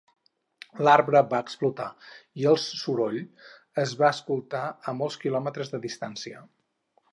L"arbre va explotar i els soroll es va escoltar a molts kilòmetres de distància.